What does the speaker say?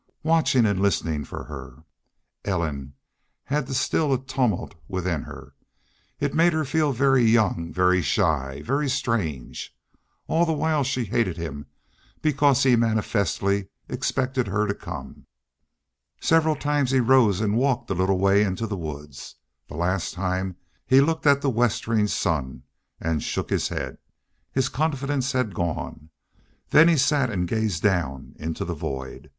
Watching and listening for her! Ellen had to still a tumult within her. It made her feel very young, very shy, very strange. All the while she hated him because he manifestly expected her to come. Several times he rose and walked a little way into the woods. The last time he looked at the westering sun and shook his head. His confidence had gone. Then he sat and gazed down into the void.